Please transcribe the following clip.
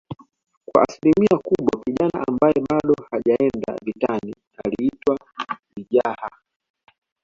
kwa asilimia kubwa kijana ambaye bado hajaenda vitani aliitwa lijaha